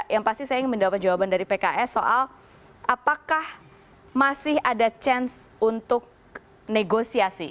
yang pasti saya ingin mendapat jawaban dari pks soal apakah masih ada chance untuk negosiasi